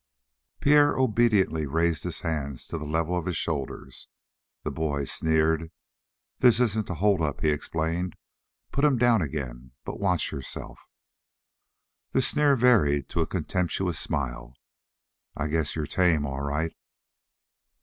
Pierre obediently raised his hands to the level of his shoulders. The boy sneered. "This isn't a hold up," he explained. "Put 'em down again, but watch yourself." The sneer varied to a contemptuous smile. "I guess you're tame, all right."